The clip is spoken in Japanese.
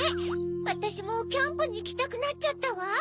わたしもキャンプにいきたくなっちゃったわ。